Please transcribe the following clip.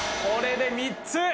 これで３つ。